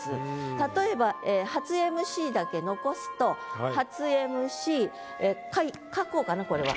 例えば「初ＭＣ」だけ残すと「初ＭＣ」書こうかなこれは。